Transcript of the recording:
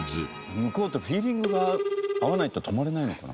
向こうとフィーリングが合わないと泊まれないのかな？